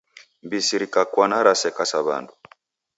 Mbisi rikakwana raseka sa W'andu.